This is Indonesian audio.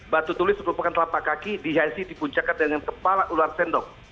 batu tulis merupakan telapak kaki dihiasi dipuncakkan dengan kepala ular sendok